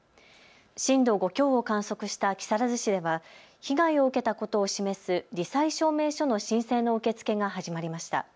震度５強を観測した木更津市では被害を受けたことを示すり災証明書の申請の受け付けが始まりました。